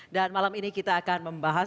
dan malam ini kita akan membahas